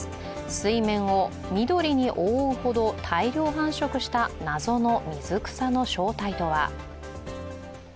水面を緑に覆うほど大量繁殖した謎の水草の正体とは。